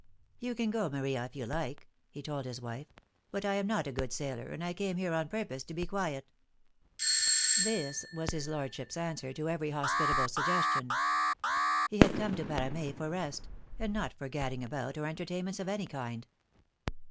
"You can go, Maria, if you like," he told his wife; "but I am not a good sailor, and I came here on pur pose to be quiet." This was his Lordship's answer to every hospitable suggestion. He had come to Parame for rest; and not for gadding about, or entertainments of any kind.